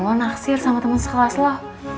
kalau lo naksir sama temen sekelas lo